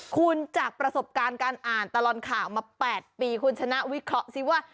คุณจากประสบการณ์การอ่านตลอดข่าวมา๘ปีคุณชนะวิเคราะห์สิว่า